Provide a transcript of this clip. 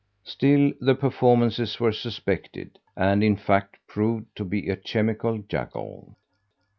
Still, the performances were suspected, and in fact, proved to be a chemical juggle.